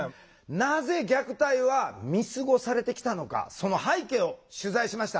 なぜ虐待は見過ごされてきたのかその背景を取材しました。